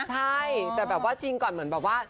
ใช่แต่แบบว่าจริงก่อนเหมือนแบบว่า